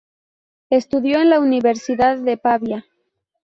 Estudió en la Universidad de Pavía.